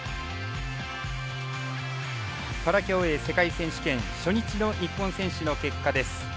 パラ競泳世界選手権初日の日本選手の結果です。